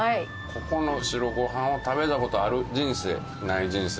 ここの白ご飯を食べた事ある人生ない人生